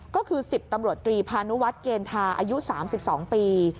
ก็คือ๑๐ตำรวจตรีพานุวัฒน์เกณฑาอายุ๓๒ปี